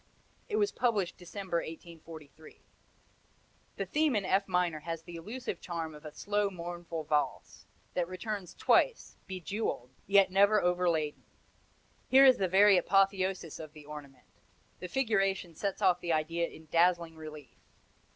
It was published December, 1843. The theme in F minor has the elusive charm of a slow, mournful valse, that returns twice, bejewelled, yet never overladen. Here is the very apotheosis of the ornament; the figuration sets off the idea in dazzling relief.